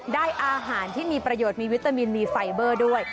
ได้อาหารที่มีประโยชน์มีวิตามินมีไฟเบอร์ด้วย